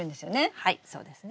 はいそうですね。